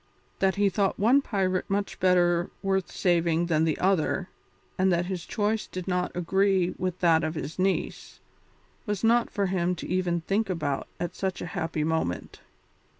That he thought one pirate much better worth saving than the other, and that his choice did not agree with that of his niece, was not for him even to think about at such a happy moment.